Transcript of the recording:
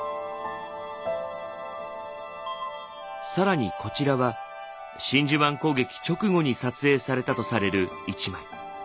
更にこちらは真珠湾攻撃直後に撮影されたとされる一枚。